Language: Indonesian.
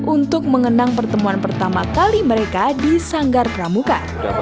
untuk mengenang pertemuan pertama kali mereka di sanggar pramuka